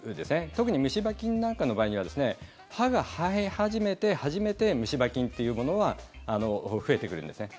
特に虫歯菌なんかの場合には歯が生え始めて初めて虫歯菌というものは増えてくるんですね。